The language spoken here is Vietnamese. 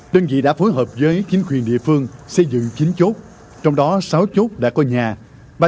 đơn vị đã phối hợp với chính quyền địa phương xây dựng chín chốt trong đó sáu chốt đã có nhà